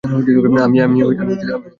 আমি ওদের বিশ্বাস করি না।